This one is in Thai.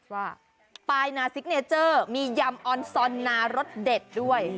ว่าปลายนาซิกเนเจอร์มียำออนซอนนารสเด็ดด้วย